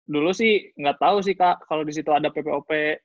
dulu sih nggak tahu sih kak kalau di situ ada ppop